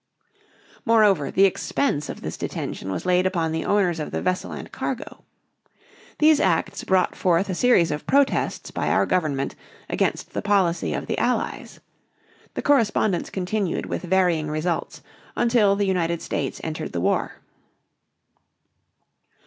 Moreover, the expense of this detention was laid upon the owners of the vessel and cargo. These acts brought forth a series of protests by our government against the policy of the Allies. The correspondence continued with varying results until the United States entered the war.